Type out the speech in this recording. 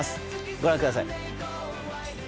ご覧ください。